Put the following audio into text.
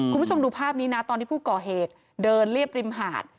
คุณผู้ชมดูภาพนี้นะตอนที่ผู้ก่อเหตุเดินเรียบริมหาด